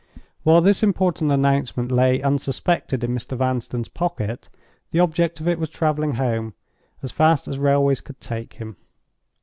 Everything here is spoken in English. While this important announcement lay unsuspected in Mr. Vanstone's pocket, the object of it was traveling home, as fast as railways could take him.